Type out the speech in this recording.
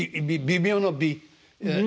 微妙の「微」。